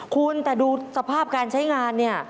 คุณแต่ดูสภาพการใช้งานเนี่ย